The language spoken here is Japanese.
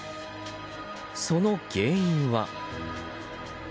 その原因は。